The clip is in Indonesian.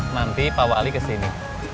nanti pak wali kesini